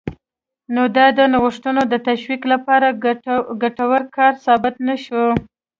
نو دا د نوښتونو د تشویق لپاره ګټور کار ثابت نه شو